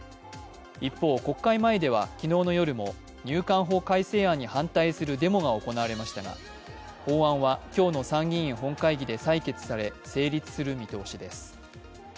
一方、国会前では昨日の夜も入管法改正案に反対するデモが行われましたが法案は今日の参議院本会議で採決され成立する見通しです。